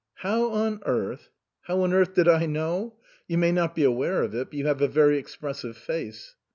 "How on earth "" How on earth did I know ? You may not be aware of it, but you have a very expressive face."